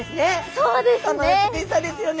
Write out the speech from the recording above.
そうですね。